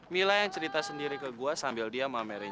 mila yang cerita sendiri ke gua sambil dia mamer